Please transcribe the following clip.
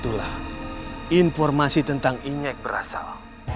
itulah informasi tentang inyek berasal